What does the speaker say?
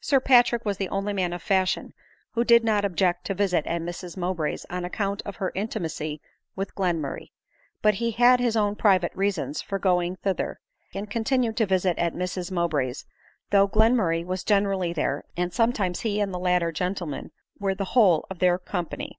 Sir Patrick was the only man of fashion who did not object to visit at Mrs Mowbray's on account of her intimacy with Glenmurray ; but he had his own private reasons for going thither, and continued to visit at Mrs Mowbray's though Glenmurray was generally there, and sometimes he and the latter gentlemen were the whole of their com pany.